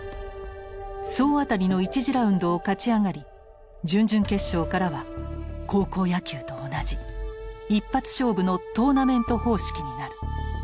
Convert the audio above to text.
総当たりの１次ラウンドを勝ち上がり準々決勝からは高校野球と同じ一発勝負のトーナメント方式になる。